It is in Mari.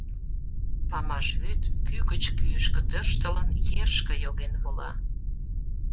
Памаш вӱд, кӱ гыч кӱышкӧ тӧрштылын, ерышке йоген вола.